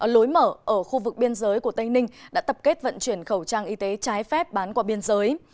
lối mở ở khu vực biên giới của tây ninh đã tập kết vận chuyển khẩu trang y tế trái phép bán qua biên giới